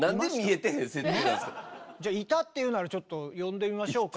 じゃあ「いた」って言うならちょっと呼んでみましょうか？